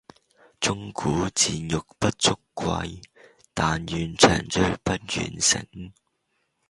鐘鼓饌玉不足貴，但愿長醉不愿醒！